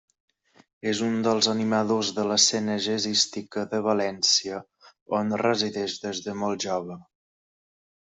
És un dels animadors de l'escena jazzística de València, on resideix des de molt jove.